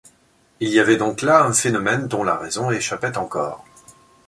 Il y avait donc là un phénomène dont la raison échappait encore.